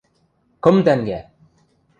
Кым тӓнгӓ!